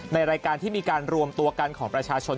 ในรายการที่มีการรวมตัวกันของประชาชน